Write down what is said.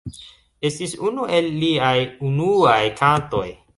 Estis unu el liaj unuaj kantoj.